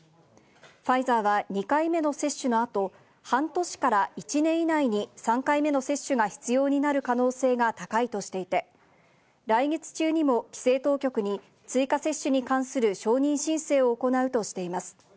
ファイザーは２回目の接種のあと、半年から１年以内に３回目の接種が必要になる可能性が高いとしていて、来月中にも規制当局に追加接種に関する承認申請を行うとしています。